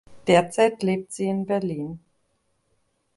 Derzeit lebt sie in Berlin.